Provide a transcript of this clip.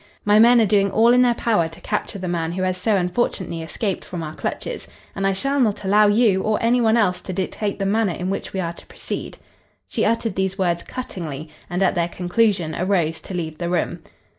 My men are doing all in their power to capture the man who has so unfortunately escaped from our clutches, and I shall not allow you or any one else to dictate the manner in which we are to proceed." She uttered these words cuttingly, and, at their conclusion, arose to leave the room.